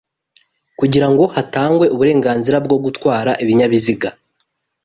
kugirango hatangwe uburenganzira bwo gutwara ibinyabiziga